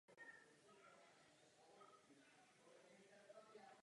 Dochází k částečnému započtení hodnoty zboží nebo služby jiným zbožím nebo službou.